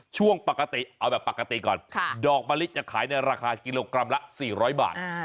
ช่วงปกติเอาแบบปกติก่อนดอกมะลิจะขายในราคากิโลกรัมละ๔๐๐บาท